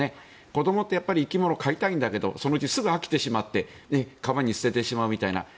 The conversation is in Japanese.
子どもって生き物を飼いたいんだけどそのうちすぐ飽きてしまって川に捨ててしまうみたいな。